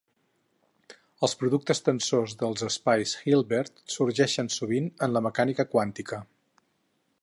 Els productes tensors dels espais Hilbert sorgeixen sovint en la mecànica quàntica.